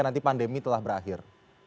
nanti pandemi telah berakhir